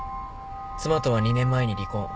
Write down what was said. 妻とは２年前に離婚。